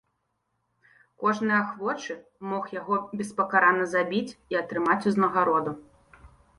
Кожны ахвочы мог яго беспакарана забіць і атрымаць узнагароду.